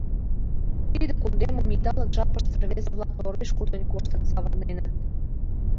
Тиде кундемым идалык жапыште рвезе-влак тореш-кутынь коштын савырненыт.